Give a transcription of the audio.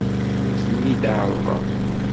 Ur ten-id-ɛerrḍeɣ.